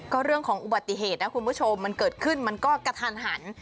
ก็เรื่องของอุบัติเหตุนะคุณผู้ชมมันเกิดขึ้นมันก็กระทันหัน